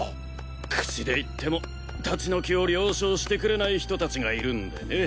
口で言っても立ち退きを了承してくれない人たちがいるんでね。